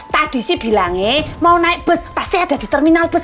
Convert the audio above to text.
tadi sih bilang eh mau naik bus pasti ada di terminal bus